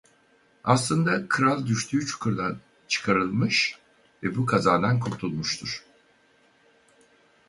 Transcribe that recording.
Aslında kral düştüğü çukurdan çıkarılmış ve bu kazadan kurtulmuştur.